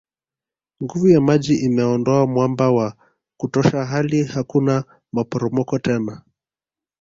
Nguvu ya maji imeondoa mwamba wa kutosha hali hakuna maporomoko tena